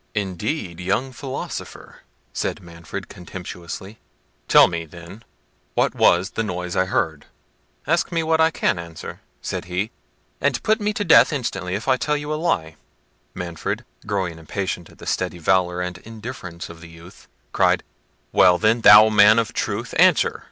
"Indeed, young philosopher!" said Manfred contemptuously; "tell me, then, what was the noise I heard?" "Ask me what I can answer," said he, "and put me to death instantly if I tell you a lie." Manfred, growing impatient at the steady valour and indifference of the youth, cried— "Well, then, thou man of truth, answer!